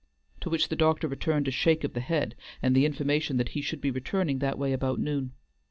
to which the doctor returned a shake of the head and the information that he should be returning that way about noon.